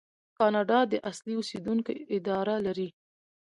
کاناډا د اصلي اوسیدونکو اداره لري.